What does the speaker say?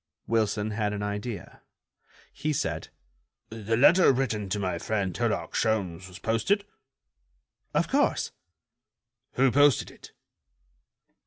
Wilson had an idea. He said: "The letter written to my friend Herlock Sholmes was posted?" "Of course." "Who posted it?"